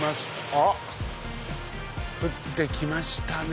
あっ降ってきましたね。